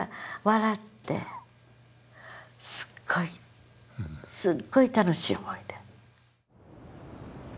すっごいすっごい楽しい思い出。